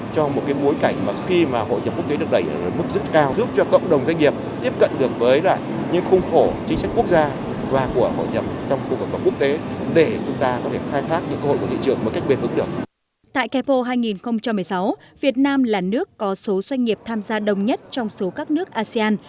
tại kapo hai nghìn một mươi sáu việt nam là nước có số doanh nghiệp tham gia đông nhất trong số các nước asean